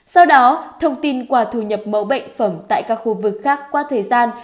sau đó thông tin qua thu nhập mẫu bệnh phẩm tại các khu vực khác qua thời gian